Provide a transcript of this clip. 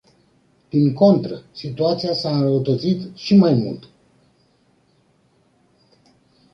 Din contră, situația s-a înrăutățit și mai mult.